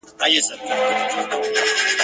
یو سړی په دې یخنۍ کي مسافر سو ..